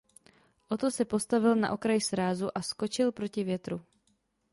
Otto se postavil na okraj srázu a skočil proti větru.